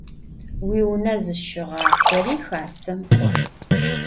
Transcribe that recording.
Vuiune zışığaseri Xasem k'o.